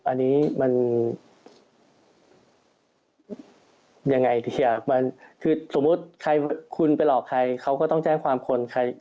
อันนี้มันยังไงดีอ่ะมันคือสมมุติใครคุณไปหลอกใครเขาก็ต้องแจ้งความคน